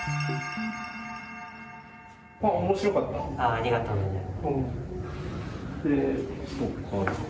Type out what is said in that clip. ありがとうございます。